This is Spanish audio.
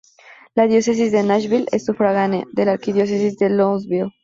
La Diócesis de Nashville es sufragánea de la Arquidiócesis de Louisville.